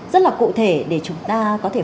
rất là cụ thể để chúng ta có thể